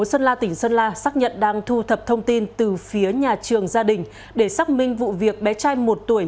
sơn la xác nhận đang thu thập thông tin từ phía nhà trường gia đình để xác minh vụ việc bé trai một tuổi